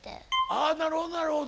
あなるほどなるほど。